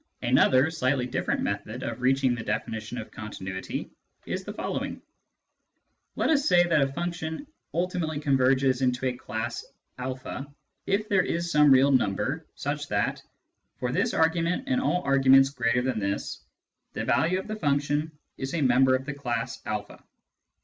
Another slightly different method of reaching the definition of continuity is the following :— Let us say that a function " ultimately converges into a class a " if there is some real number such that, for this argument and all arguments greater than this, the value of the function is a member of the class a.